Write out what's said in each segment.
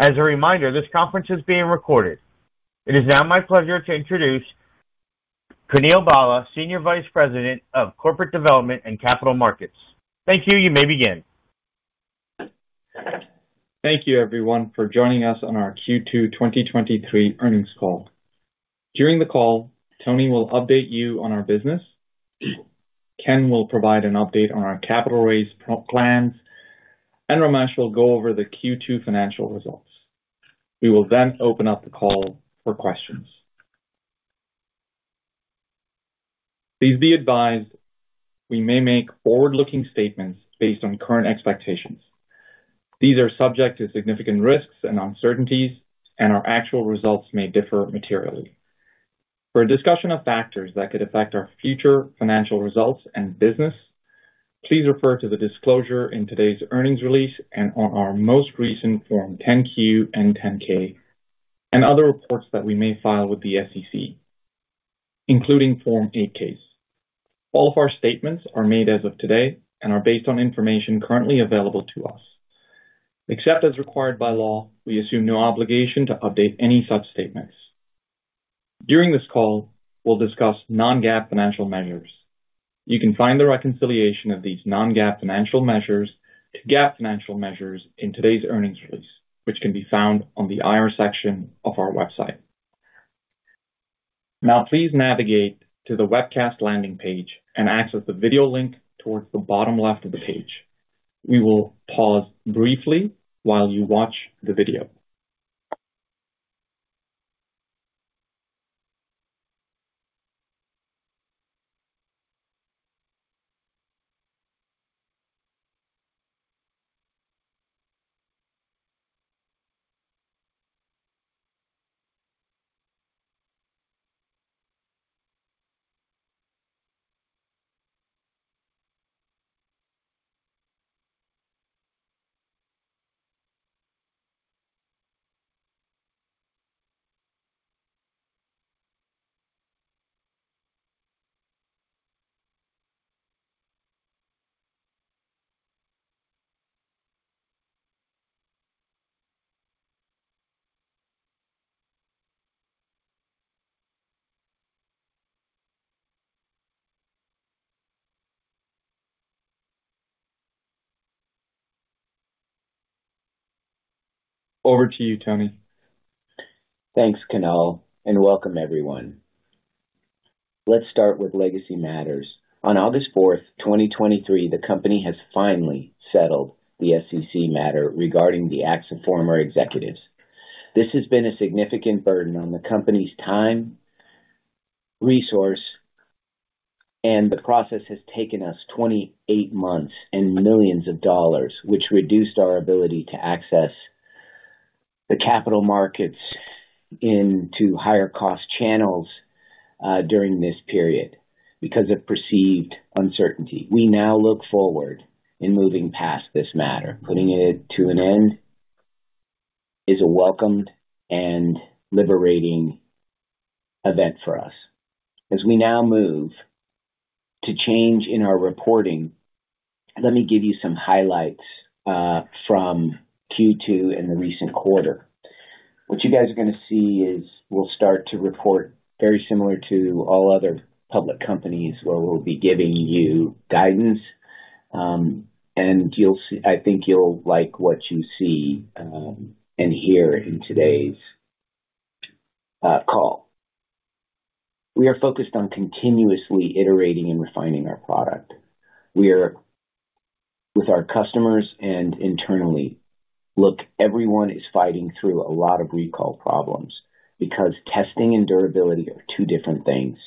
As a reminder, this conference is being recorded. It is now my pleasure to introduce Kunal Bhalla, Senior Vice President of Corporate Development and Capital Markets. Thank you. You may begin. Thank you, everyone, for joining us on our Q2 2023 Earnings Call. During the call, Tony will update you on our business, Ken will provide an update on our capital raise plans. Ramesh will go over the Q2 financial results. We will open up the call for questions. Please be advised, we may make forward-looking statements based on current expectations. These are subject to significant risks and uncertainties. Our actual results may differ materially. For a discussion of factors that could affect our future financial results and business, please refer to the disclosure in today's earnings release and on our most recent Form 10-Q and 10-K. Other reports that we may file with the SEC, including Form 8-K. All of our statements are made as of today and are based on information currently available to us. Except as required by law, we assume no obligation to update any such statements. During this call, we'll discuss non-GAAP financial measures. You can find the reconciliation of these non-GAAP financial measures to GAAP financial measures in today's earnings release, which can be found on the IR section of our website. Now, please navigate to the webcast landing page and access the video link towards the bottom left of the page. We will pause briefly while you watch the video. Over to you, Tony. Thanks, Kunal. Welcome, everyone. Let's start with legacy matters. On August 4, 2023, the company has finally settled the SEC matter regarding the acts of former executives. This has been a significant burden on the company's time, resource, and the process has taken us 28 months and millions of dollars, which reduced our ability to access the capital markets into higher cost channels during this period because of perceived uncertainty. We now look forward in moving past this matter. Putting it to an end is a welcomed and liberating event for us. As we now move to change in our reporting, let me give you some highlights from Q2 and the recent quarter. What you guys are gonna see is we'll start to report very similar to all other public companies, where we'll be giving you guidance, and you'll see. I think you'll like what you see and hear in today's call. We are focused on continuously iterating and refining our product. We are with our customers and internally. Look, everyone is fighting through a lot of recall problems because testing and durability are two different things,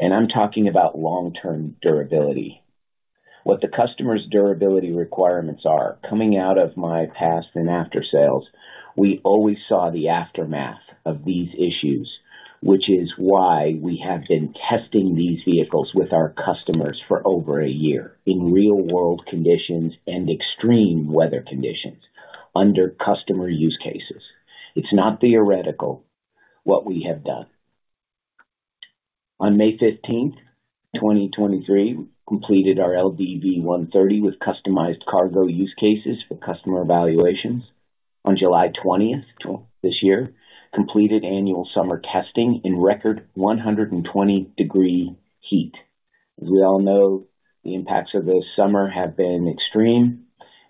and I'm talking about long-term durability. What the customer's durability requirements are, coming out of my past and aftersales, we always saw the aftermath of these issues, which is why we have been testing these vehicles with our customers for over a year in real-world conditions and extreme weather conditions under customer use cases. It's not theoretical what we have done. On May 15, 2023, we completed our LDV 130 with customized cargo use cases for customer evaluations. On July 20, this year, completed annual summer testing in record 120 degree heat. As we all know, the impacts of this summer have been extreme,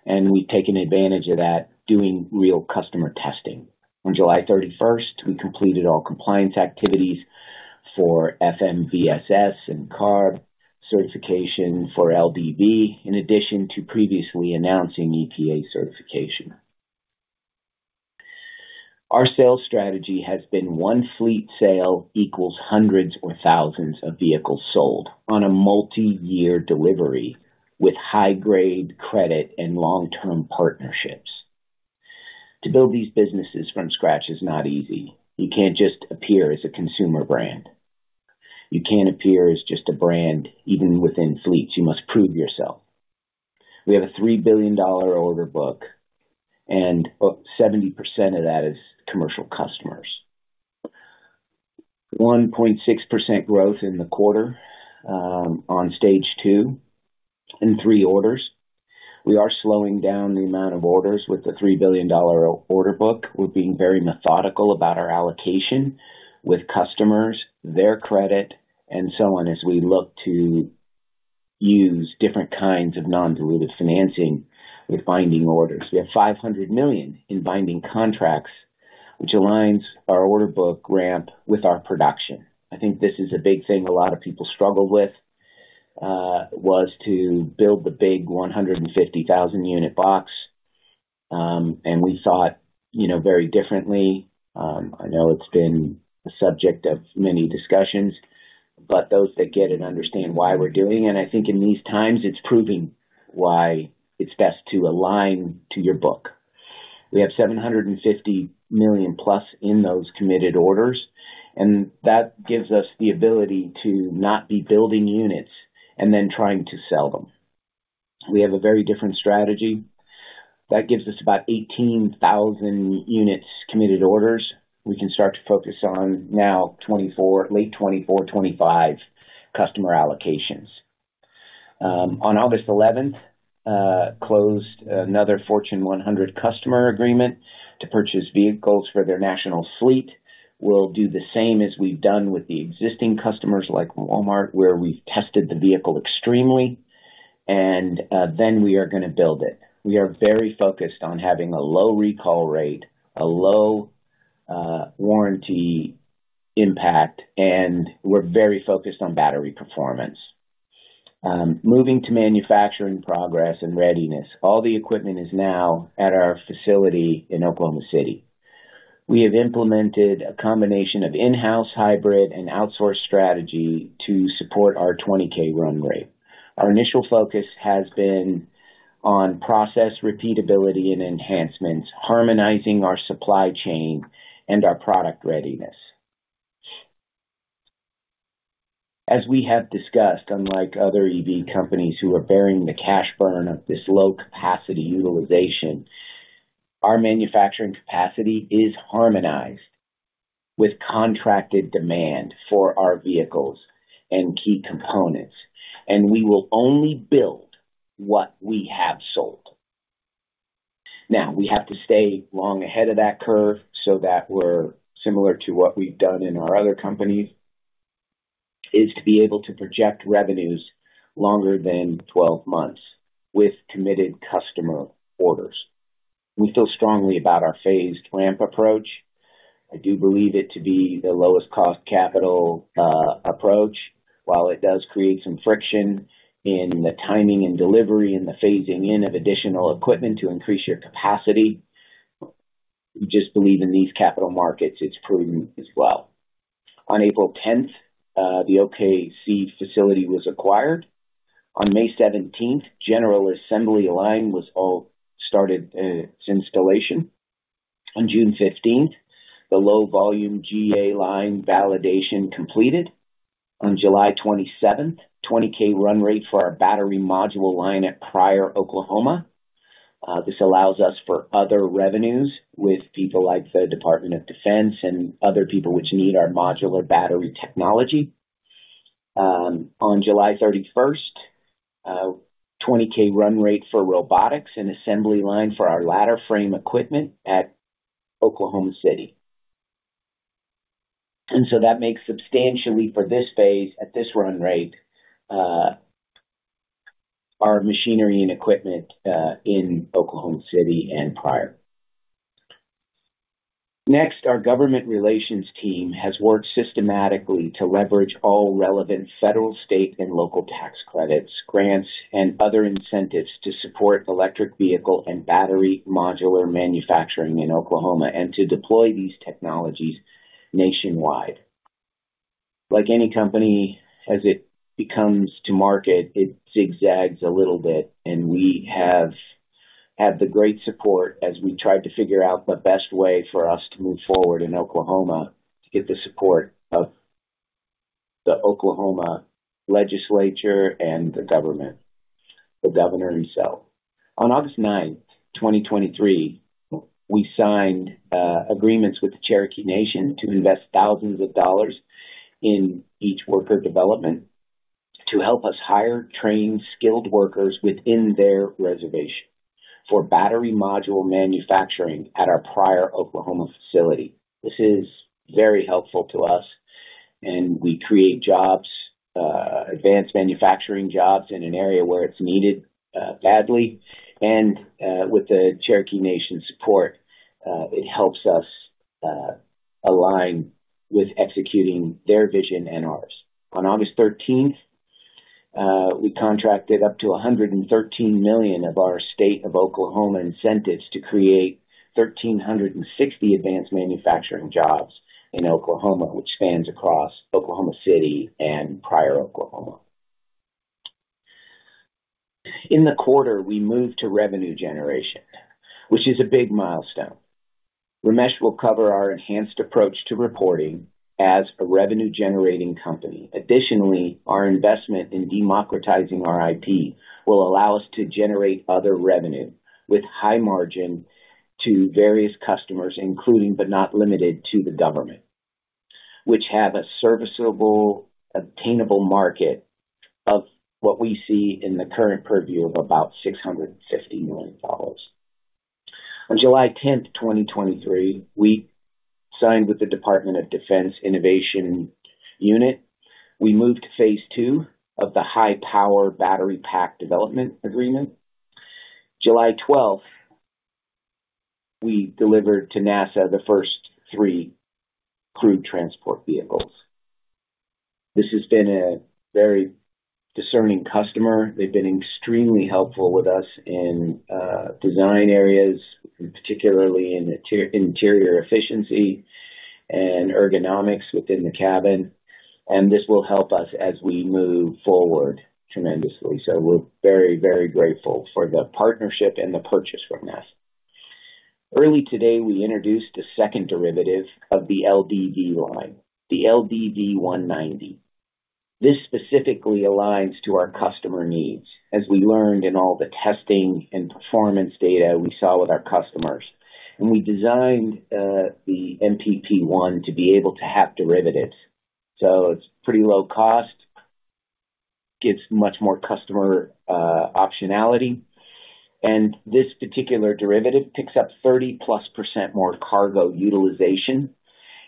and we've taken advantage of that, doing real customer testing. On July 31st, we completed all compliance activities for FMVSS and CARB certification for LDV, in addition to previously announcing EPA certification. Our sales strategy has been one fleet sale equals hundreds or thousands of vehicles sold on a multiyear delivery with high-grade credit and long-term partnerships. To build these businesses from scratch is not easy. You can't just appear as a consumer brand. You can't appear as just a brand, even within fleets. You must prove yourself. We have a $3 billion order book, and 70% of that is commercial customers. 1.6% growth in the quarter, on Stage 2 and 3 orders. We are slowing down the amount of orders with the $3 billion order book. We're being very methodical about our allocation with customers, their credit, and so on as we look to use different kinds of non-dilutive financing with binding orders. We have $500 million in binding contracts, which aligns our order book ramp with our production. I think this is a big thing a lot of people struggled with, was to build the big 150,000 unit box. We saw it very differently. I know it's been the subject of many discussions, but those that get it understand why we're doing it, and I think in these times, it's proving why it's best to align to your book. We have $750 million plus in those committed orders, and that gives us the ability to not be building units and then trying to sell them. We have a very different strategy that gives us about 18,000 units committed orders. We can start to focus on now 2024, late 2024, 2025 customer allocations. On August 11, closed another Fortune 100 customer agreement to purchase vehicles for their national fleet. We'll do the same as we've done with the existing customers, like Walmart, where we've tested the vehicle extremely, and then we are going to build it. We are very focused on having a low recall rate, a low warranty impact, and we're very focused on battery performance. Moving to manufacturing progress and readiness. All the equipment is now at our facility in Oklahoma City. We have implemented a combination of in-house, hybrid, and outsource strategy to support our 20K run rate. Our initial focus has been on process repeatability and enhancements, harmonizing our supply chain and our product readiness. As we have discussed, unlike other EV companies who are bearing the cash burn of this low capacity utilization, our manufacturing capacity is harmonized with contracted demand for our vehicles and key components, and we will only build what we have sold. Now, we have to stay long ahead of that curve so that we're similar to what we've done in our other companies, is to be able to project revenues longer than 12 months with committed customer orders. We feel strongly about our phased ramp approach. I do believe it to be the lowest cost capital approach. While it does create some friction in the timing and delivery and the phasing in of additional equipment to increase your capacity, we just believe in these capital markets, it's prudent as well. On April 10th, the OKC facility was acquired. On May 17th, General Assembly line was all started, its installation. On June 15th, the low volume GA line validation completed. On July 27th, 20K run rate for our battery module line at Pryor, Oklahoma. This allows us for other revenues with people like the Department of Defense and other people which need our modular battery technology. On July 31st, 20K run rate for robotics and assembly line for our ladder frame equipment at Oklahoma City. That makes substantially for this phase at this run rate, our machinery and equipment, in Oklahoma City and Pryor. Our government relations team has worked systematically to leverage all relevant federal, state, and local tax credits, grants, and other incentives to support electric vehicle and battery modular manufacturing in Oklahoma and to deploy these technologies nationwide. Like any company, as it becomes to market, it zigzags a little bit, and we have had the great support as we try to figure out the best way for us to move forward in Oklahoma to get the support of the Oklahoma Legislature and the government, the governor himself. On August ninth, 2023, we signed agreements with the Cherokee Nation to invest thousands of dollars in each worker development to help us hire, train skilled workers within their reservation for battery module manufacturing at our Pryor, Oklahoma, facility. This is very helpful to us, and we create jobs, advanced manufacturing jobs in an area where it's needed badly. With the Cherokee Nation support, it helps us align with executing their vision and ours. On August 13th, we contracted up to $113 million of our State of Oklahoma incentives to create 1,360 advanced manufacturing jobs in Oklahoma, which spans across Oklahoma City and Pryor, Oklahoma. In the quarter, we moved to revenue generation, which is a big milestone. Ramesh will cover our enhanced approach to reporting as a revenue-generating company. Additionally, our investment in democratizing our IP will allow us to generate other revenue with high margin to various customers, including, but not limited to the government. which have a serviceable, obtainable market of what we see in the current purview of about $650 million. On July 10, 2023, we signed with the Department of Defense Innovation Unit. We moved to Phase 2 of the high-power battery pack development agreement. July 12, we delivered to NASA the first three crewed transport vehicles. This has been a very discerning customer. They've been extremely helpful with us in design areas, and particularly in inter-interior efficiency and ergonomics within the cabin, and this will help us as we move forward tremendously. We're very, very grateful for the partnership and the purchase from NASA. Early today, we introduced the second derivative of the LDV line, the LDV 190. This specifically aligns to our customer needs as we learned in all the testing and performance data we saw with our customers. We designed the MPP1 to be able to have derivatives, so it's pretty low cost, gives much more customer optionality, and this particular derivative picks up 30+% more cargo utilization,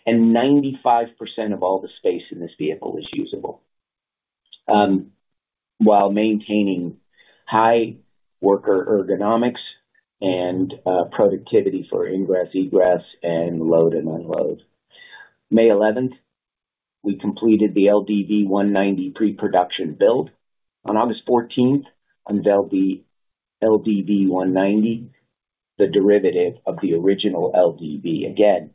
and 95% of all the space in this vehicle is usable, while maintaining high worker ergonomics and productivity for ingress, egress, and load and unload. May 11th, we completed the LDV 190 pre-production build. On August 14th, unveiled the LDV 190, the derivative of the original LDV. Again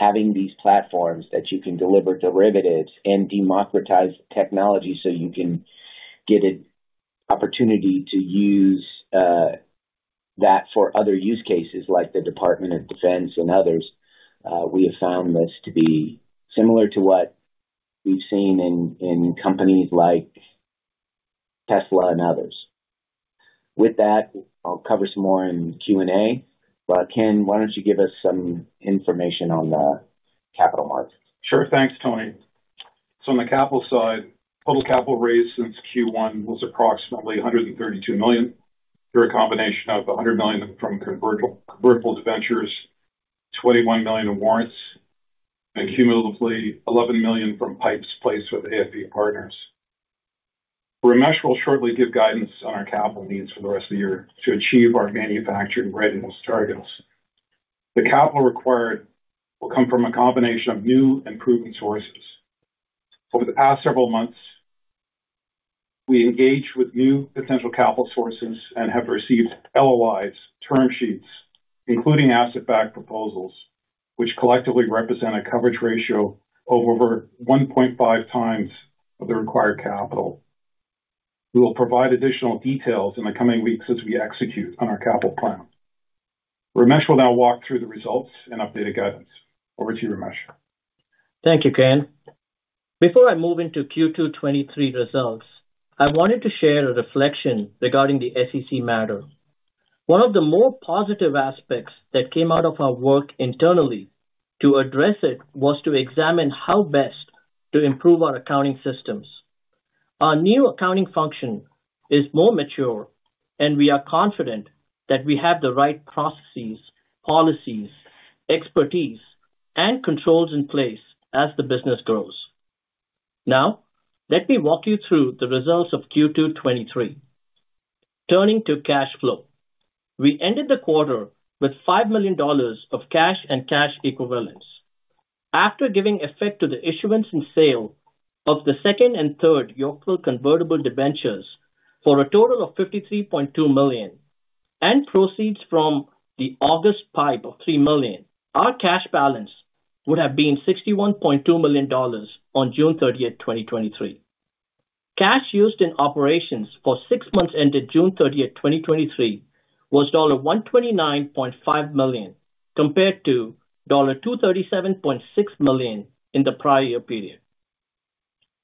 having these platforms that you can deliver derivatives and democratize technology, so you can get an opportunity to use that for other use cases like the Department of Defense and others, we have found this to be similar to what we've seen in companies like Tesla and others. With that, I'll cover some more in Q&A. Ken, why don't you give us some information on the capital markets? Sure. Thanks, Tony. On the capital side, total capital raised since Q1 was approximately $132 million, through a combination of $100 million from convertible debentures, $21 million in warrants, and cumulatively, $11 million from PIPEs placed with AFV Partners. Ramesh will shortly give guidance on our capital needs for the rest of the year to achieve our manufacturing readiness targets. The capital required will come from a combination of new and proven sources. Over the past several months, we engaged with new potential capital sources and have received LOIs, term sheets, including asset-backed proposals, which collectively represent a coverage ratio of over 1.5x of the required capital. We will provide additional details in the coming weeks as we execute on our capital plan. Ramesh will now walk through the results and updated guidance. Over to you, Ramesh. Thank you, Ken. Before I move into Q2 2023 results, I wanted to share a reflection regarding the SEC matter. One of the more positive aspects that came out of our work internally to address it, was to examine how best to improve our accounting systems. Our new accounting function is more mature, and we are confident that we have the right processes, policies, expertise, and controls in place as the business grows. Let me walk you through the results of Q2 2023. Turning to cash flow. We ended the quarter with $5 million of cash and cash equivalents. After giving effect to the issuance and sale of the second and third Yorkville convertible debentures for a total of $53.2 million, and proceeds from the August PIPE of $3 million, our cash balance would have been $61.2 million on June 30, 2023. Cash used in operations for six months ended June 30, 2023, was $129.5 million, compared to $237.6 million in the prior year period.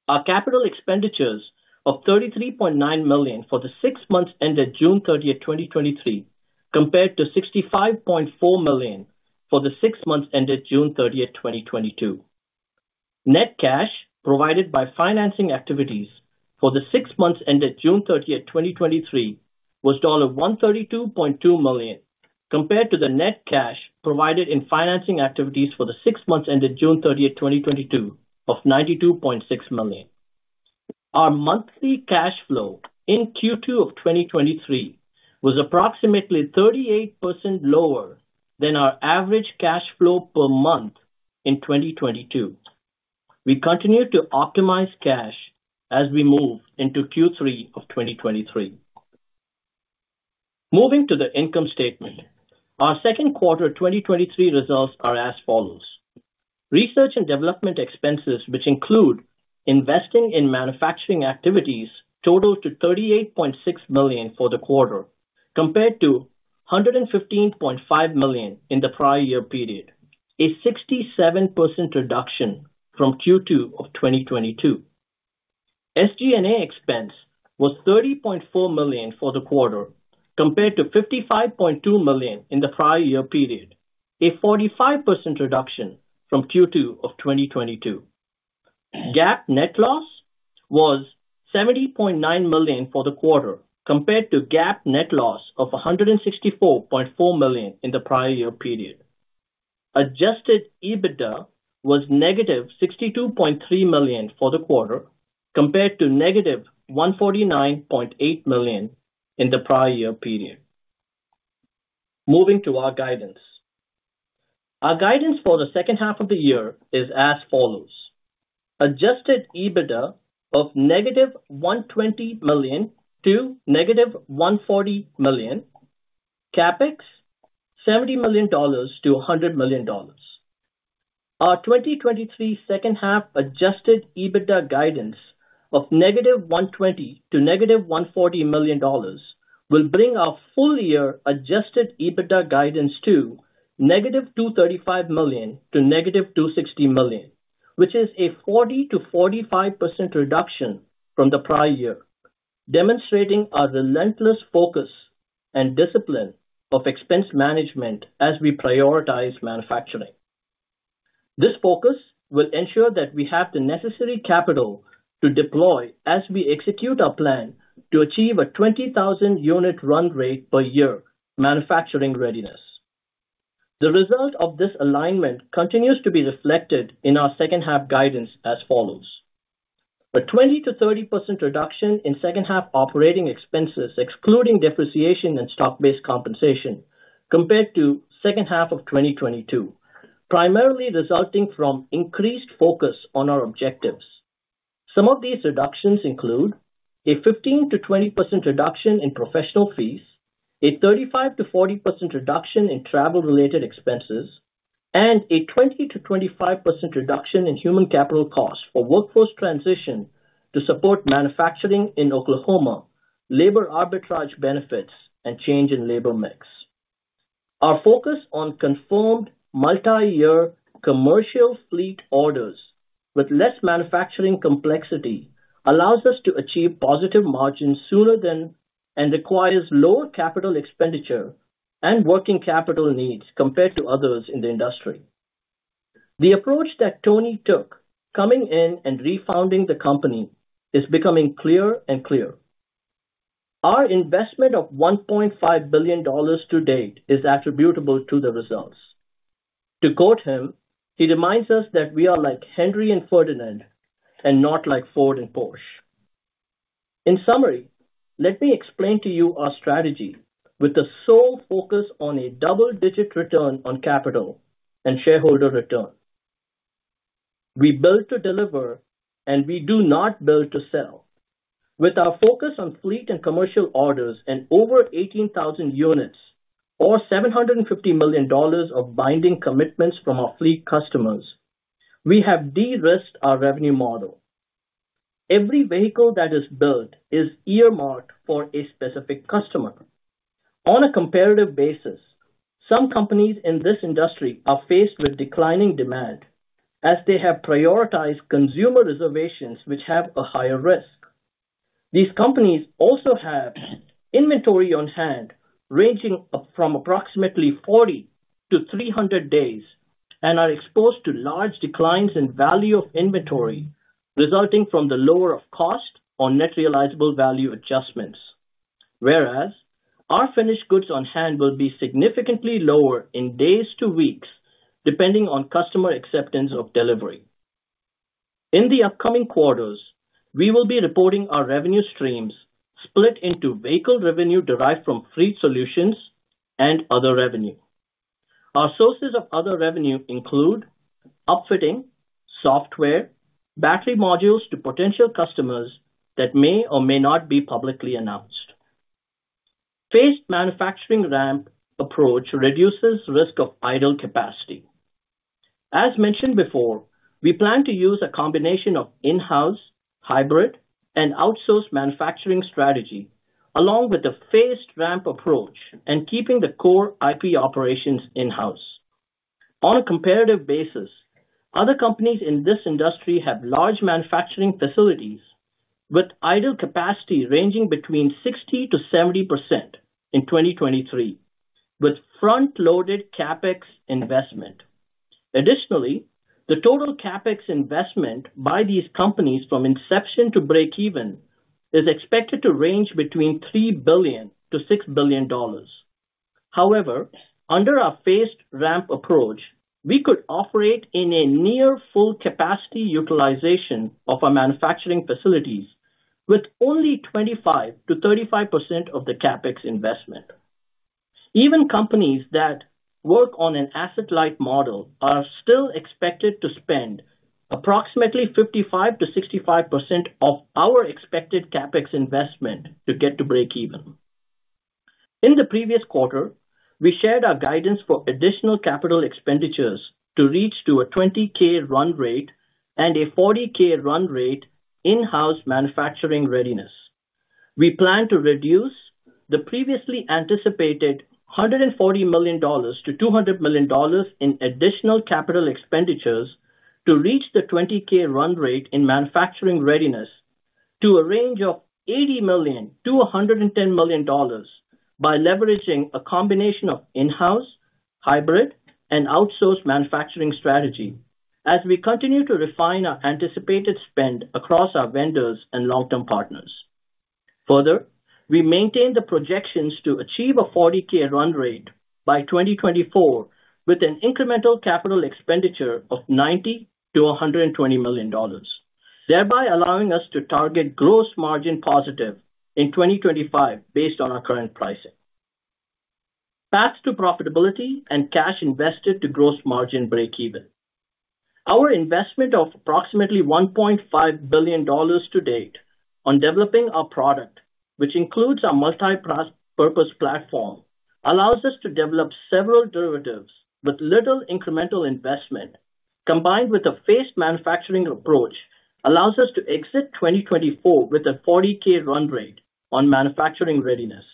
Our capital expenditures of $33.9 million for the six months ended June 30, 2023, compared to $65.4 million for the six months ended June 30, 2022. Net cash provided by financing activities for the six months ended June 30, 2023, was $132.2 million, compared to the net cash provided in financing activities for the six months ended June 30, 2022, of $92.6 million. Our monthly cash flow in Q2 of 2023 was approximately 38% lower than our average cash flow per month in 2022. We continue to optimize cash as we move into Q3 of 2023. Moving to the income statement. Our second quarter 2023 results are as follows: research and development expenses, which include investing in manufacturing activities, totaled to $38.6 million for the quarter, compared to $115.5 million in the prior year period, a 67% reduction from Q2 of 2022. SG&A expense was $30.4 million for the quarter, compared to $55.2 million in the prior year period, a 45% reduction from Q2 of 2022. GAAP net loss was $70.9 million for the quarter, compared to GAAP net loss of $164.4 million in the prior year period. Adjusted EBITDA was -$62.3 million for the quarter, compared to -$149.8 million in the prior year period. Moving to our guidance. Our guidance for the second half of the year is as follows: Adjusted EBITDA of -$120 million to -$140 million. CapEx, $70 million to $100 million. Our 2023 second half Adjusted EBITDA guidance of -$120 million to -$140 million will bring our full year Adjusted EBITDA guidance to -$235 million to -$260 million, which is a 40%-45% reduction from the prior year, demonstrating our relentless focus and discipline of expense management as we prioritize manufacturing. This focus will ensure that we have the necessary capital to deploy as we execute our plan to achieve a 20,000 unit run rate per year manufacturing readiness. The result of this alignment continues to be reflected in our second half guidance as follows: A 20%-30% reduction in second half operating expenses, excluding depreciation and stock-based compensation, compared to second half of 2022, primarily resulting from increased focus on our objectives. Some of these reductions include a 15%-20% reduction in professional fees, a 35%-40% reduction in travel-related expenses, and a 20%-25% reduction in human capital costs for workforce transition to support manufacturing in Oklahoma, labor arbitrage benefits, and change in labor mix. Our focus on conformed multi-year commercial fleet orders with less manufacturing complexity allows us to achieve positive margins sooner than, and requires lower capital expenditure and working capital needs compared to others in the industry. The approach that Tony took, coming in and refounding the company, is becoming clearer and clearer. Our investment of $1.5 billion to date is attributable to the results. To quote him, he reminds us that we are like Henry and Ferdinand, and not like Ford and Porsche. In summary, let me explain to you our strategy with the sole focus on a double-digit return on capital and shareholder return. We build to deliver, and we do not build to sell. With our focus on fleet and commercial orders and over 18,000 units, or $750 million of binding commitments from our fleet customers, we have de-risked our revenue model. Every vehicle that is built is earmarked for a specific customer. On a comparative basis, some companies in this industry are faced with declining demand, as they have prioritized consumer reservations, which have a higher risk. These companies also have inventory on hand, ranging from approximately 40 to 300 days, and are exposed to large declines in value of inventory, resulting from the lower of cost or net realizable value adjustments. Whereas, our finished goods on hand will be significantly lower in days to weeks, depending on customer acceptance of delivery. In the upcoming quarters, we will be reporting our revenue streams split into vehicle revenue derived from fleet solutions and other revenue. Our sources of other revenue include upfitting, software, battery modules to potential customers that may or may not be publicly announced. Phased manufacturing ramp approach reduces risk of idle capacity. As mentioned before, we plan to use a combination of in-house, hybrid, and outsourced manufacturing strategy, along with a phased ramp approach and keeping the core IP operations in-house. On a comparative basis, other companies in this industry have large manufacturing facilities with idle capacity ranging between 60%-70% in 2023, with front-loaded CapEx investment. Additionally, the total CapEx investment by these companies from inception to breakeven is expected to range between $3 billion-$6 billion. However, under our phased ramp approach, we could operate in a near full capacity utilization of our manufacturing facilities with only 25%-35% of the CapEx investment. Even companies that work on an asset-light model are still expected to spend approximately 55%-65% of our expected CapEx investment to get to breakeven. In the previous quarter, we shared our guidance for additional capital expenditures to reach to a 20K run rate and a 40K run rate in-house manufacturing readiness. We plan to reduce the previously anticipated $140 million to $200 million in additional capital expenditures to reach the 20K run rate in manufacturing readiness to a range of $80 million-$110 million by leveraging a combination of in-house, hybrid, and outsourced manufacturing strategy as we continue to refine our anticipated spend across our vendors and long-term partners. We maintain the projections to achieve a 40K run rate by 2024, with an incremental capital expenditure of $90 million-$120 million, thereby allowing us to target gross margin positive in 2025, based on our current pricing. Path to profitability and cash invested to gross margin breakeven. Our investment of approximately $1.5 billion to date on developing our product, which includes our Multi-Purpose Platform, allows us to develop several derivatives with little incremental investment, combined with a phased manufacturing approach, allows us to exit 2024 with a 40K run rate on manufacturing readiness.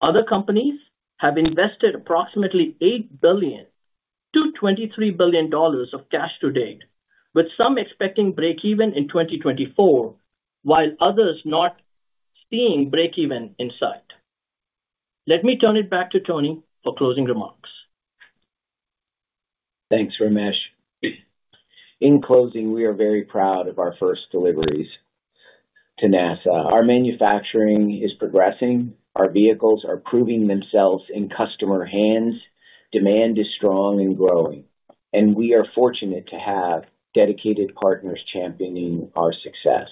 Other companies have invested approximately $8 billion-$23 billion of cash to date, with some expecting breakeven in 2024, while others not seeing breakeven in sight. Let me turn it back to Tony for closing remarks. Thanks, Ramesh. In closing, we are very proud of our first deliveries to NASA. Our manufacturing is progressing, our vehicles are proving themselves in customer hands, demand is strong and growing, and we are fortunate to have dedicated partners championing our success.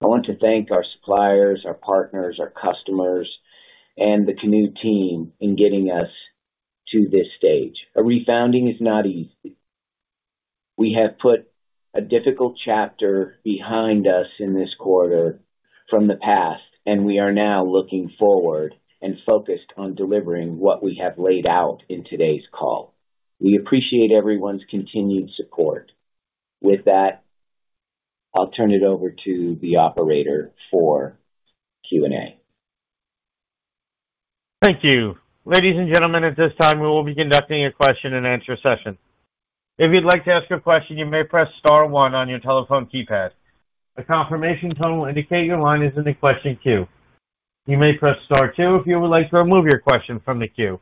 I want to thank our suppliers, our partners, our customers, and the Canoo team in getting us to this Stage. A refounding is not easy. We have put a difficult chapter behind us in this quarter from the past, and we are now looking forward and focused on delivering what we have laid out in today's call. We appreciate everyone's continued support. With that, I'll turn it over to the operator for Q&A. Thank you. Ladies and gentlemen, at this time, we will be conducting a question-and-answer session. If you'd like to ask a question, you may press star one on your telephone keypad. A confirmation tone will indicate your line is in the question queue. You may press star two if you would like to remove your question from the queue.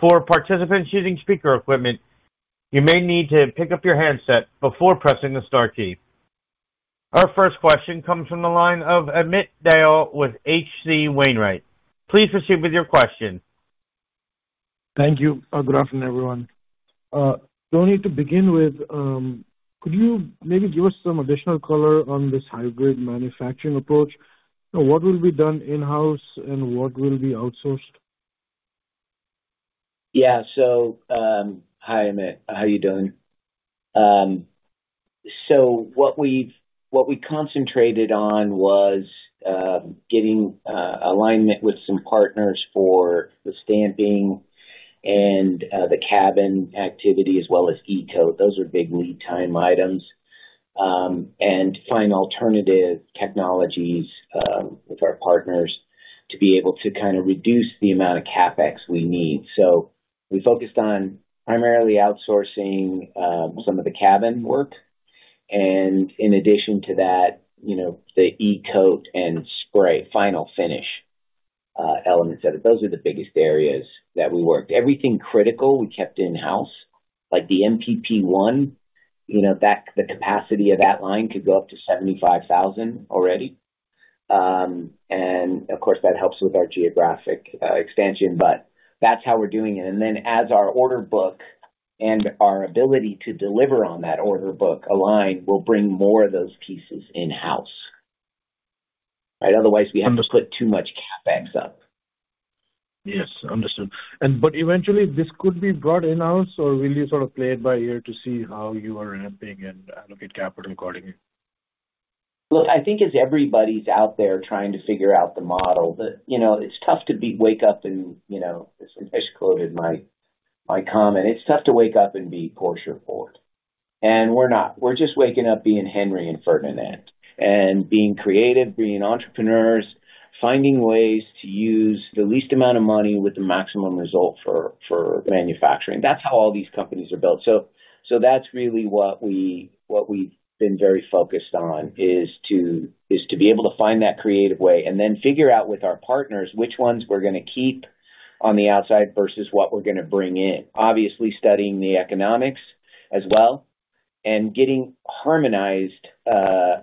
For participants using speaker equipment, you may need to pick up your handset before pressing the star key. Our first question comes from the line of Amit Dayal with H.C. Wainwright. Please proceed with your question. Thank you. Good afternoon, everyone. Tony, to begin with, could you maybe give us some additional color on this hybrid manufacturing approach? What will be done in-house and what will be outsourced? Yeah. Hi, Amit, how you doing? What we've, what we concentrated on was getting alignment with some partners for the stamping and the cabin activity, as well as E-coat. Those are big lead time items. Find alternative technologies with our partners to be able to reduce the amount of CapEx we need. We focused on primarily outsourcing some of the cabin work and in addition to that the E-coat and spray final finish elements of it. Those are the biggest areas that we worked. Everything critical, we kept in-house, like the MPP1 that the capacity of that line could go up to 75,000 already. Of course, that helps with our geographic expansion, that's how we're doing it. Then as our order book and our ability to deliver on that order book align, we'll bring more of those pieces in-house. Right. Otherwise, we have to put too much CapEx up. Yes, understood. Eventually, this could be brought in-house or will you play it by ear to see how you are ramping and allocate capital accordingly? Look, I think as everybody's out there trying to figure out the model, that it's tough to wake up and as Ramesh quoted my, my comment, it's tough to wake up and be Porsche or Ford, and we're not. We're just waking up being Henry and Ferdinand and being creative, being entrepreneurs, finding ways to use the least amount of money with the maximum result for, for manufacturing. That's how all these companies are built. That's really what we've been very focused on, is to be able to find that creative way and then figure out with our partners which ones we're going to keep on the outside versus what we're going to bring in. Obviously, studying the economics as well and getting harmonized,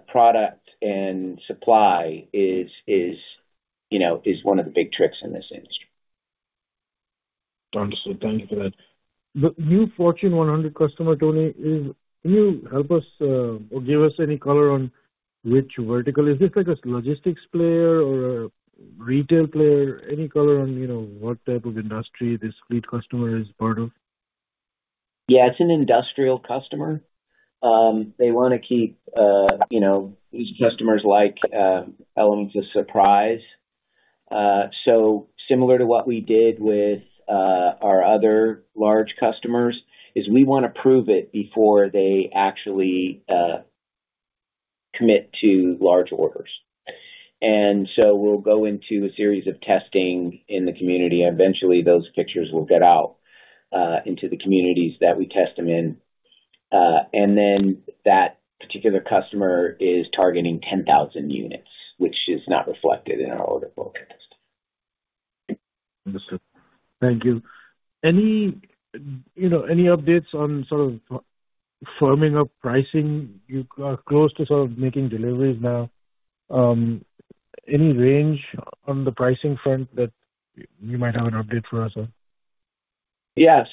product and supply is is one of the big tricks in this industry. Understood. Thank you for that. The new Fortune 100 customer, Tony, can you help us, or give us any color on which vertical? Is this like a logistics player or a retail player? Any color on what type of industry this lead customer is part of? Yeah, it's an industrial customer. They want to keep customers like elements a surprise. Similar to what we did with our other large customers, is we want to prove it before they actually commit to large orders. We'll go into a series of testing in the community, and eventually those fixtures will get out into the communities that we test them in. That particular customer is targeting 10,000 units, which is not reflected in our order forecast. Understood. Thank you. Any updates on firming up pricing? You are close to making deliveries now. Any range on the pricing front that you might have an update for us on? Yeah.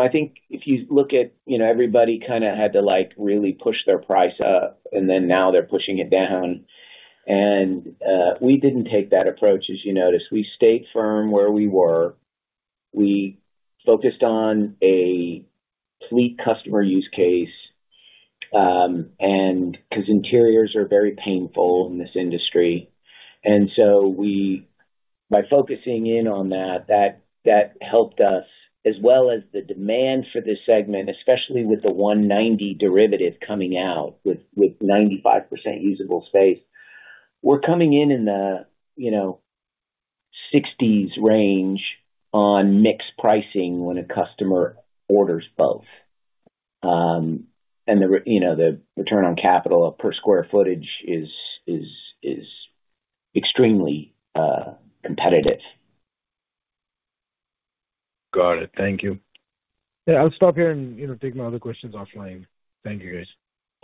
I think if you look at everybody had to really push their price up, and then now they're pushing it down. We didn't take that approach, as you noticed. We stayed firm where we were. We focused on a fleet customer use case, and because interiors are very painful in this industry, and so we, by focusing in on that helped us, as well as the demand for this segment, especially with the 190 derivative coming out with 95% usable space. We're coming in the 60s range on mixed pricing when a customer orders both. The return on capital of per square footage is, is, is extremely competitive. Got it. Thank you. Yeah, I'll stop here and take my other questions offline. Thank you, guys.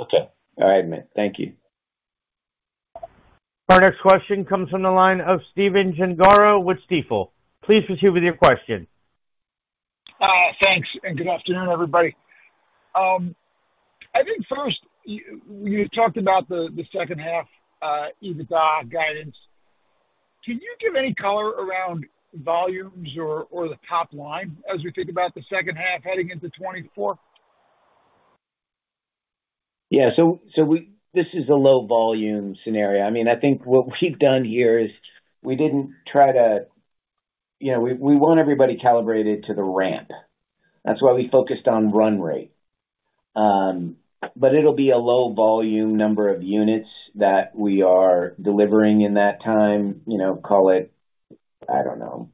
Okay. All right, Amit, thank you. Our next question comes from the line of Stephen Gengaro with Stifel. Please proceed with your question. thanks, and good afternoon, everybody. I think first, you talked about the second half, EBITDA guidance. Can you give any color around volumes or the top line as we think about the second half heading into 2024? Yeah. This is a low volume scenario. I think what we've done here is we didn't try to we want everybody calibrated to the ramp. That's why we focused on run rate. It'll be a low volume number of units that we are delivering in that time. Call it, I don't know,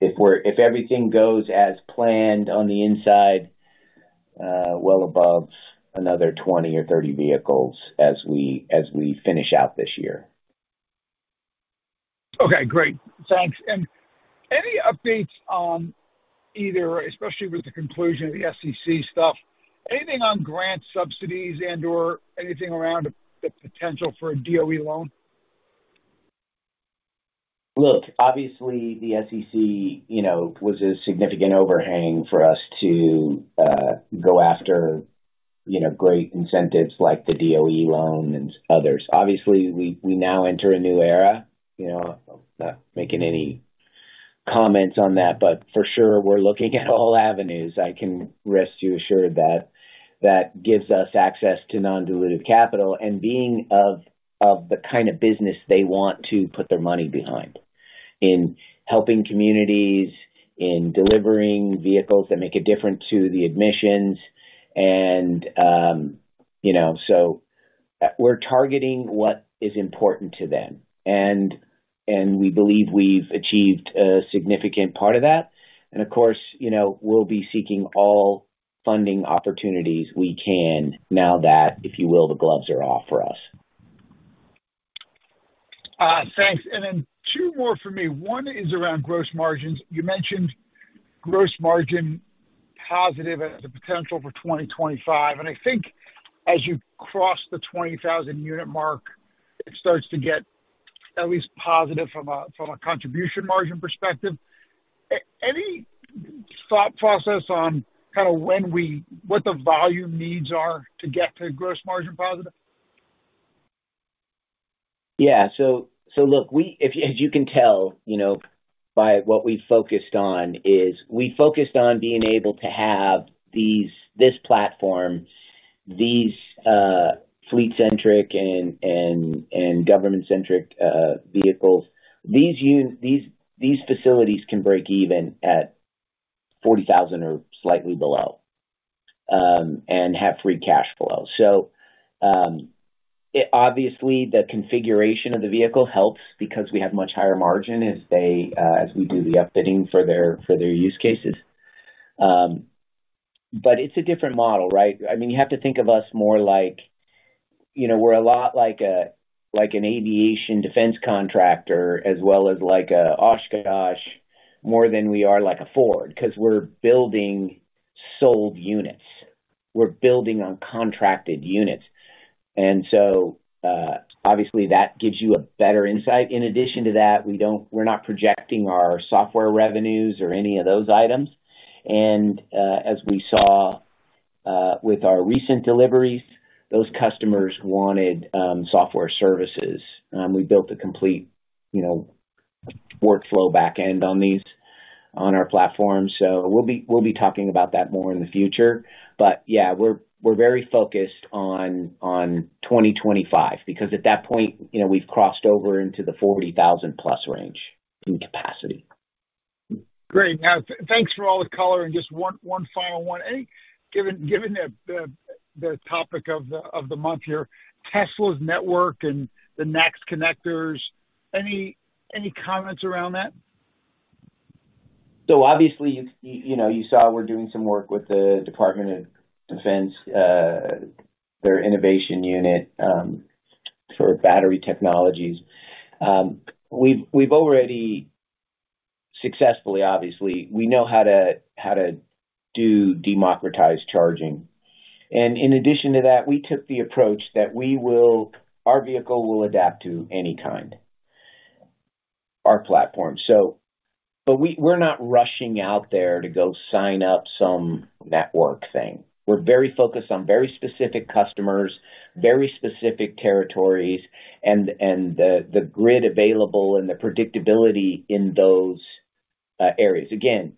if everything goes as planned on the inside, well above another 20 or 30 vehicles as we finish out this year. Okay, great. Thanks. Any updates on either, especially with the conclusion of the SEC stuff, anything on grant subsidies and/or anything around the potential for a DOE loan? Look, obviously, the SEC was a significant overhang for us to, go after great incentives like the DOE loan and others. Obviously, we now enter a new era not making any comments on that, but for sure, we're looking at all avenues, I can rest you assured, that gives us access to non-dilutive capital and being of the business they want to put their money behind, in helping communities, in delivering vehicles that make a difference to the emissions and so we're targeting what is important to them, and we believe we've achieved a significant part of that. Of course we'll be seeking all funding opportunities we can now that, if you will, the gloves are off for us. Thanks. Then two more for me. One is around gross margins. You mentioned gross margin positive as a potential for 2025, and I think as you cross the 20,000 unit mark, it starts to get at least positive from a, from a contribution margin perspective. Any thought process on what the volume needs are to get to gross margin positive? Yeah. Look, as you can tell by what we focused on, is we focused on being able to have these, this platform, these fleet-centric and government-centric vehicles. These these, these facilities can break even at 40,000 or slightly below, and have free cash flow. Obviously, the configuration of the vehicle helps because we have much higher margin as they, as we do the upfitting for their, for their use cases. It's a different model. You have to think of us more like we're a lot like a, like an aviation defense contractor as well as like a Oshkosh, more than we are like a Ford, because we're building sold units. We're building on contracted units, so obviously, that gives you a better insight. In addition to that, we're not projecting our software revenues or any of those items. As we saw with our recent deliveries, those customers wanted software services. We built a complete workflow back end on our platform. We'll be talking about that more in the future. Yeah, we're very focused on 2025, because at that point we've crossed over into the 40,000 plus range in capacity. Great. Thanks for all the color, and just one final one. Given the topic of the month here, Tesla's network and the NACS connectors, any comments around that? Obviously, you you saw we're doing some work with the Department of Defense, their Innovation Unit, for battery technologies. We've already successfully, obviously, we know how to do democratized charging. In addition to that, we took the approach that our vehicle will adapt to any kind, our platform. We're not rushing out there to go sign up some network thing. We're very focused on very specific customers, very specific territories, and the grid available and the predictability in those areas. Again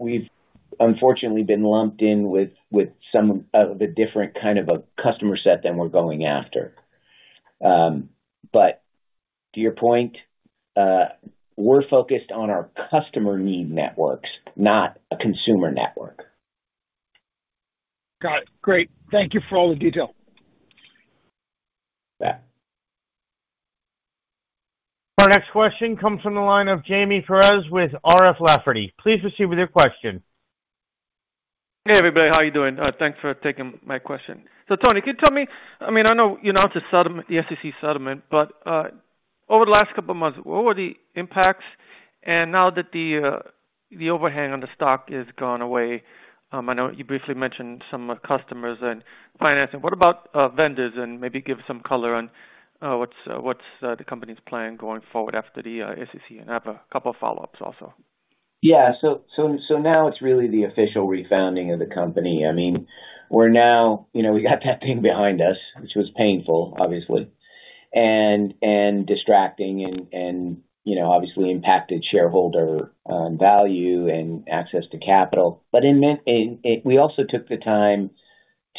we've unfortunately been lumped in with some of the different a customer set than we're going after. To your point, we're focused on our customer need networks, not a consumer network. Got it. Great. Thank you for all the detail. Yeah. Our next question comes from the line of Jaime Perez with R.F. Lafferty. Please proceed with your question. Hey, everybody, how are you doing? Thanks for taking my question. Tony, I know you announced the SEC settlement, but, over the last couple of months, what were the impacts? Now that the overhang on the stock is gone away, I know you briefly mentioned some customers and financing. What about, vendors? Maybe give some color on, what's the company's plan going forward after the SEC. I have a couple of follow-ups also. Yeah. Now it's really the official refounding of the company. We're now we got that thing behind us, which was painful, obviously, and distracting and obviously impacted shareholder value and access to capital. It meant we also took the time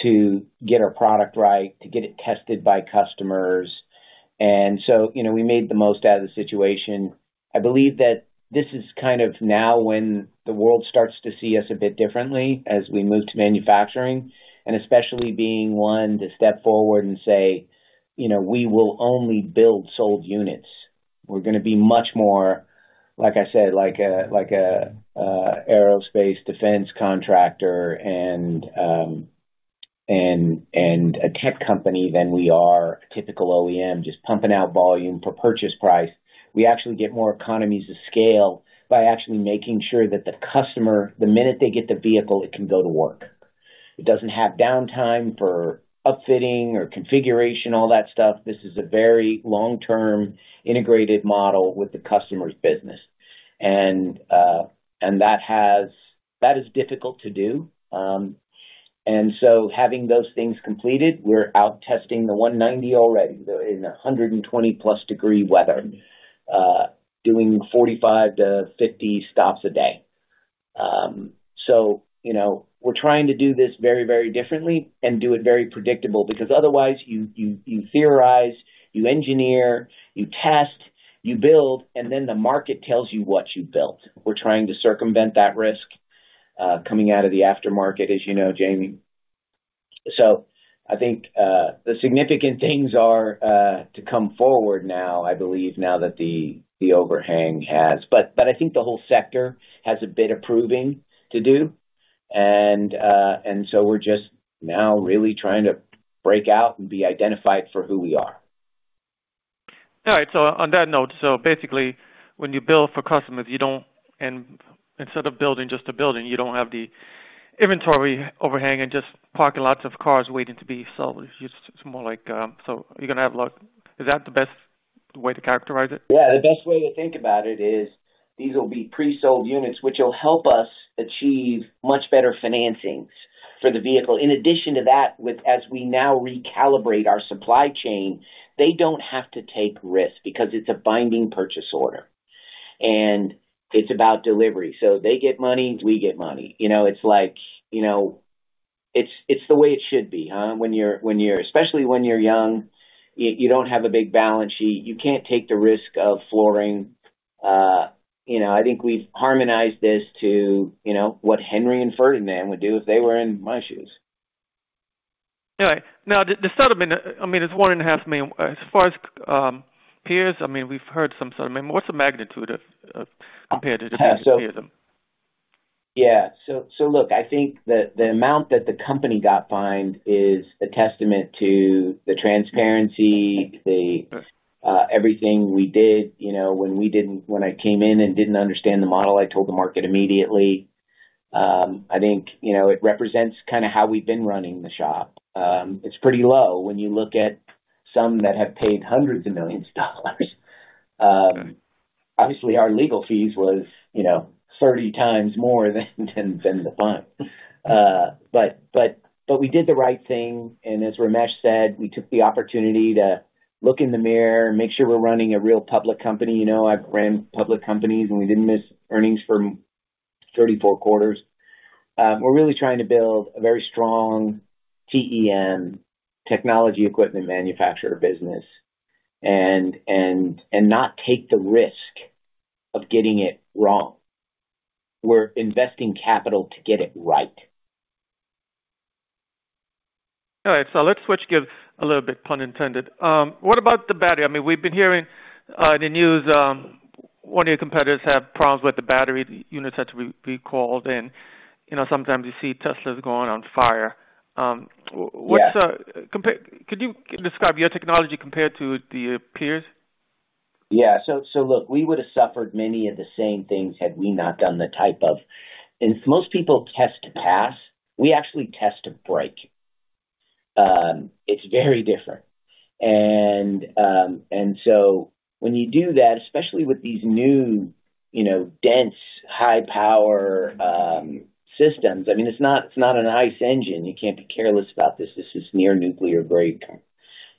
to get our product right, to get it tested by customers, and so we made the most out of the situation. I believe that this is now when the world starts to see us a bit differently as we move to manufacturing, and especially being one to step forward and say "We will only build sold units." We're gonna be much more, like I said, like a, like a, aerospace defense contractor and a tech company than we are a typical OEM, just pumping out volume for purchase price. We actually get more economies of scale by actually making sure that the customer, the minute they get the vehicle, it can go to work. It doesn't have downtime for upfitting or configuration, all that stuff. This is a very long-term integrated model with the customer's business. That is difficult to do. Having those things completed, we're out testing the 190 already, in 120+ degree weather, doing 45-50 stops a day. We're trying to do this very, very differently and do it very predictable, because otherwise, you theorize, you engineer, you test, you build, and then the market tells you what you built. We're trying to circumvent that risk, coming out of the aftermarket, as you know, Jaime. I think, the significant things are to come forward now, I believe, now that the overhang has. I think the whole sector has a bit of proving to do, so we're just now really trying to break out and be identified for who we are. All right. On that note, basically, when you build for customers, you don't. Instead of building, just a building, you don't have the inventory overhang and just parking lots of cars waiting to be sold. It's just more like, so you're gonna have luck. Is that the best way to characterize it? Yeah. The best way to think about it is these will be pre-sold units, which will help us achieve much better financings for the vehicle. In addition to that, as we now recalibrate our supply chain, they don't have to take risks because it's a binding purchase order, and it's about delivery. They get money, we get money. It's the way it should be? Especially when you're young, you don't have a big balance sheet, you can't take the risk of flooring. I think we've harmonized this to what Henry and Ferdinand would do if they were in my shoes. All right. Now, the settlement, It's $1.5 million. As far as peers, we've heard some sort. What's the magnitude of compared to the past peers? Yeah. I think the amount that the company got fined is a testament to the transparency, the everything we did. When I came in and didn't understand the model, I told the market immediately. I think it represents how we've been running the shop. It's pretty low when you look at some that have paid hundreds of millions dollars. Obviously, our legal fees was 30x more than, than, than the fund. We did the right thing, and as Ramesh said, we took the opportunity to look in the mirror and make sure we're running a real public company. I've ran public companies, and we didn't miss earnings for 34 quarters. We're really trying to build a very strong TEM, technology equipment manufacturer business, and not take the risk of getting it wrong. We're investing capital to get it right. All right, let's switch gears a little bit, pun intended. What about the battery? We've been hearing in the news, one of your competitors have problems with the battery. The units had to be recalled, and sometimes you see Teslas going on fire. Yeah. What's, could you describe your technology compared to the peers? Yeah. Look, we would've suffered many of the same things had we not done the type of... Most people test to pass. We actually test to break. It's very different. When you do that, especially with these new dense, high-power, systems, it's not an ICE engine. You can't be careless about this. This is near nuclear grade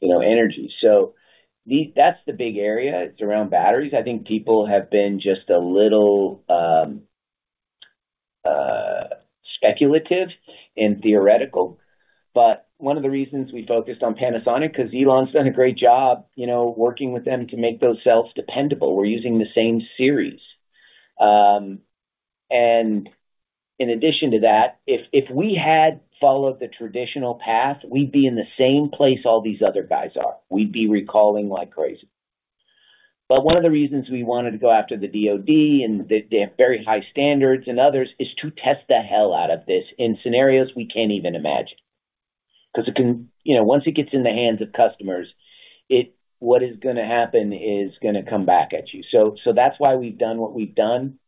energy. That's the big area. It's around batteries. I think people have been just a little speculative and theoretical, but one of the reasons we focused on Panasonic, 'cause Elon's done a great job working with them to make those cells dependable. We're using the same series. In addition to that, if we had followed the traditional path, we'd be in the same place all these other guys are. We'd be recalling like crazy. One of the reasons we wanted to go after the DoD, and they, they have very high standards and others, is to test the hell out of this in scenarios we can't even imagine. Once it gets in the hands of customers, what is gonna happen is gonna come back at you. That's why we've done what we've done,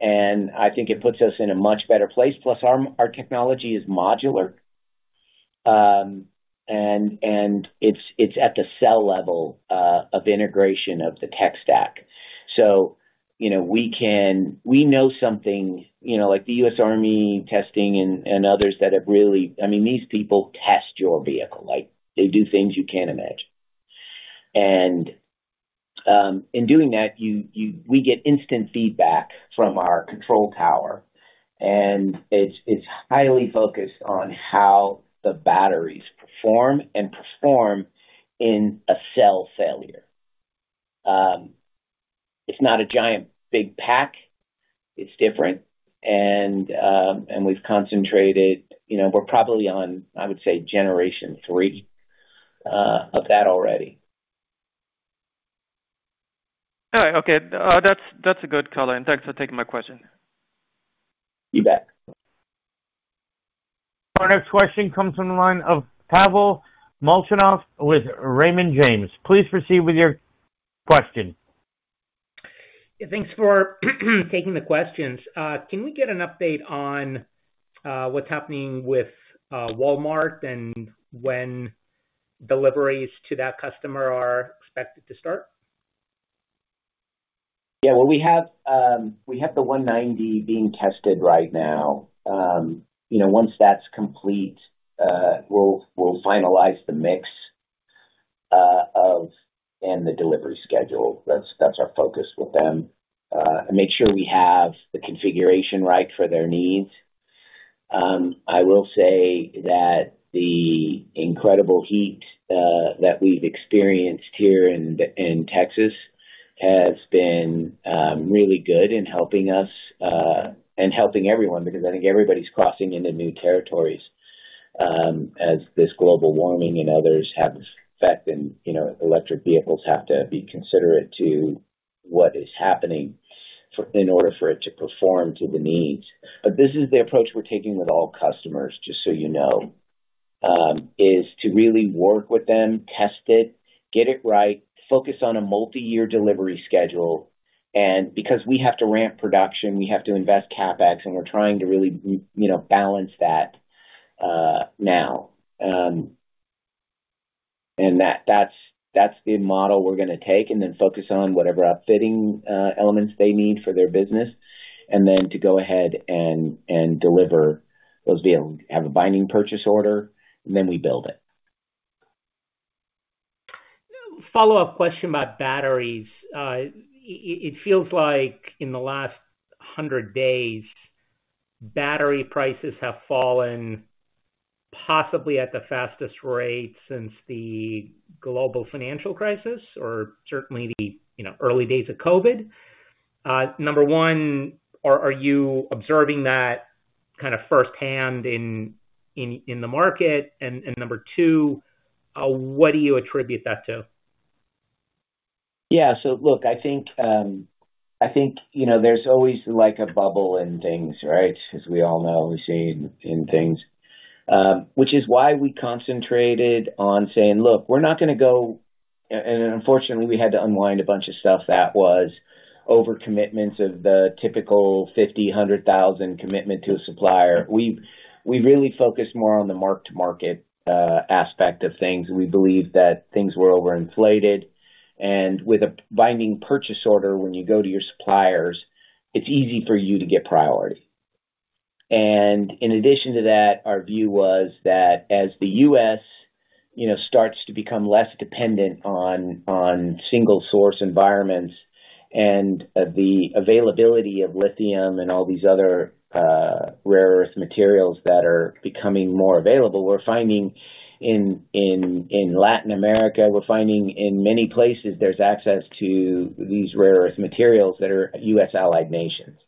and I think it puts us in a much better place, plus our, our technology is modular. It's at the cell level of integration of the tech stack. We know something like the US Army testing and others that have really. These people test your vehicle. Like, they do things you can't imagine. In doing that, we get instant feedback from our control tower, and it's highly focused on how the batteries perform and perform in a cell failure. It's not a giant big pack. It's different, and we've concentrated we're probably on, I would say, generation 3 of that already. All right. Okay. That's a good color, and thanks for taking my question. You bet. Our next question comes from the line of Pavel Molchanov with Raymond James. Please proceed with your question. Yeah, thanks for taking the questions. Can we get an update on what's happening with Walmart and when deliveries to that customer are expected to start? Yeah, well, we have the 190 being tested right now. Once that's complete, we'll, we'll finalize the mix of. The delivery schedule. That's our focus with them, and make sure we have the configuration right for their needs. I will say that the incredible heat that we've experienced here in Texas has been really good in helping us, and helping everyone, because I think everybody's crossing into new territories, as this global warming and others have effect, and electric vehicles have to be considerate to what is happening for, in order for it to perform to the needs. This is the approach we're taking with all customers, just so you know, is to really work with them, test it, get it right, focus on a multiyear delivery schedule, and because we have to ramp production, we have to invest CapEx, and we're trying to really balance that now. That's the model we're gonna take, and then focus on whatever upfitting elements they need for their business, and then to go ahead and deliver those vehicles. Have a binding purchase order, and then we build it. Follow-up question about batteries. It feels like in the last 100 days, battery prices have fallen possibly at the fastest rate since the global financial crisis, or certainly the early days of COVID. Number one, are you observing that firsthand in the market? Number 2, what do you attribute that to? Yeah. Look, I think, I think there's always, like, a bubble in things. As we all know, we've seen in things, which is why we concentrated on saying, "Look, we're not gonna go." Unfortunately, we had to unwind a bunch of stuff that was over commitments of the typical $50,000, $100,000 commitment to a supplier. We've, we've really focused more on the mark-to-market, aspect of things. We believe that things were overinflated, with a binding purchase order, when you go to your suppliers, it's easy for you to get priority. In addition to that, our view was that as the US starts to become less dependent on, on single-source environments and the availability of lithium and all these other rare earth materials that are becoming more available, we're finding in Latin America, we're finding in many places, there's access to these rare earth materials that are US allied nations.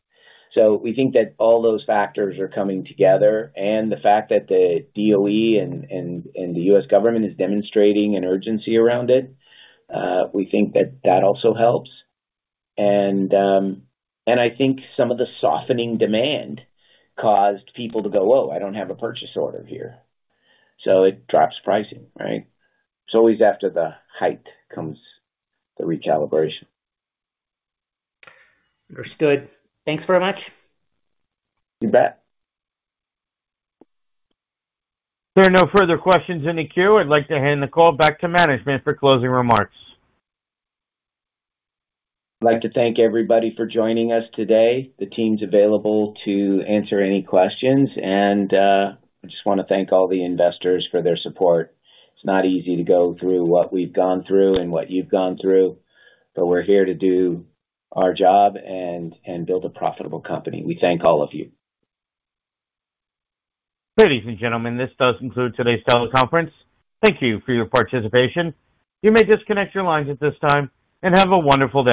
We think that all those factors are coming together, and the fact that the DOE and the US government is demonstrating an urgency around it, we think that that also helps. I think some of the softening demand caused people to go, "Oh, I don't have a purchase order here." It drops pricing. It's always after the height comes the recalibration. Understood. Thanks very much. You bet. There are no further questions in the queue. I'd like to hand the call back to management for closing remarks. I'd like to thank everybody for joining us today. The team's available to answer any questions, and I just wanna thank all the investors for their support. It's not easy to go through what we've gone through and what you've gone through, but we're here to do our job and build a profitable company. We thank all of you. Ladies and gentlemen, this does conclude today's teleconference. Thank you for your participation. You may disconnect your lines at this time, and have a wonderful day.